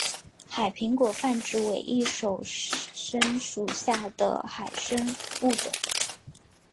海苹果泛指伪翼手参属下的海参物种。